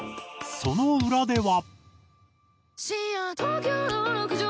その裏では。